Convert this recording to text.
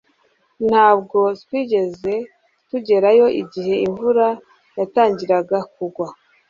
Ntabwo twigeze tugerayo igihe imvura yatangiraga kugwa